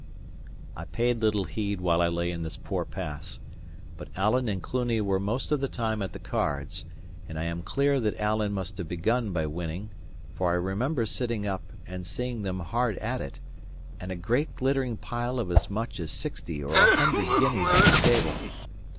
I paid little heed while I lay in this poor pass. But Alan and Cluny were most of the time at the cards, and I am clear that Alan must have begun by winning; for I remember sitting up, and seeing them hard at it, and a great glittering pile of as much as sixty or a hundred guineas on the table.